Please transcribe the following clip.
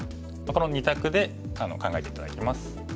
この２択で考えて頂きます。